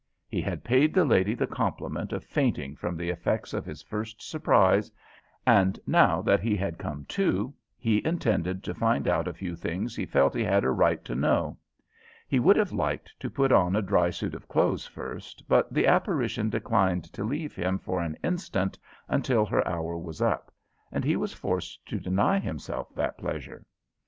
He had paid the lady the compliment of fainting from the effects of his first surprise, and now that he had come to he intended to find out a few things he felt he had a right to know. He would have liked to put on a dry suit of clothes first, but the apparition declined to leave him for an instant until her hour was up, and he was forced to deny himself that pleasure.